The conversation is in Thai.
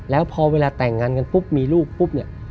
แล้วพอเวลาแต่งงานกันปุ๊บมีลูกปุ๊บเนี่ย